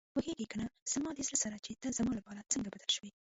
پوهېږې کنه زما د زړه سره چې ته زما لپاره څنګه بدل شوې.